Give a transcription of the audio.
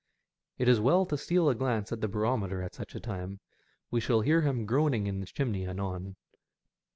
It is well to steal a glance at the barometer at such a time. We shall hear him groanmg in the chimney anon.